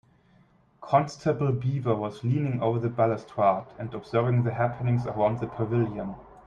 Constable Beaver was leaning over the balustrade and observing the happenings around the pavilion.